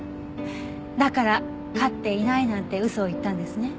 だから飼っていないなんて嘘を言ったんですね。